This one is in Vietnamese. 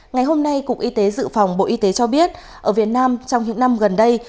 ngày hôm nay cục y tế dự phòng bộ y tế cho biết ở việt nam trong những năm gần đây